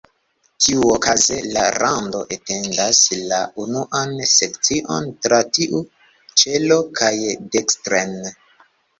Tiuokaze, la rando etendas la unuan sekcion tra tiu ĉelo kaj dekstren.